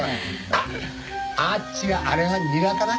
あっあっちがあれはニラかな？